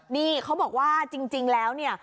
นี่เขาบอกว่าจริงแล้วเนี่ย